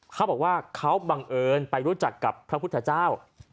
เขาบอกว่าเขาบังเอิญไปรู้จักกับพระพุทธเจ้า